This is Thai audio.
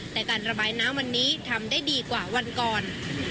แต่การระบายน้ำวันนี้ทำได้ดีกว่าวันก่อน